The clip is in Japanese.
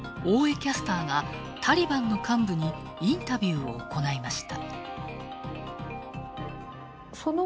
キャスターがタリバンの幹部にインタビューを行いました。